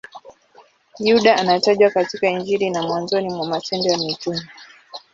Yuda anatajwa katika Injili na mwanzoni mwa Matendo ya Mitume.